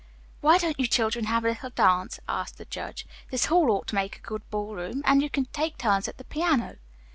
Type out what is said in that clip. "Why don't you children have a little dance?" asked the judge. "This hall ought to make a good ball room, and you can take turns at the piano."